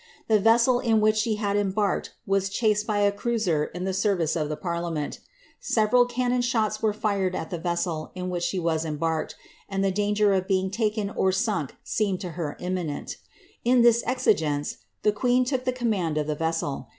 The vessel in which she had embarked was chased by a cruiser in the service of the parliament Several can non shots were fired at the vessel in which she was embarked ; and the danger of being taken or sunk seemed to her imminenL In this exigenee, the queen took the command of the vessel.